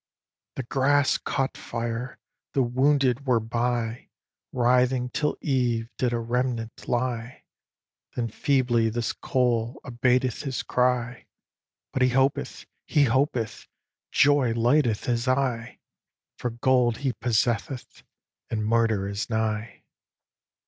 "The grass caught fire; the wounded were by; Writhing till eve did a remnant lie; Then feebly this coal abateth his cry; But he hopeth! he hopeth! joy lighteth his eye, For gold he possesseth, and Murder is nigh!"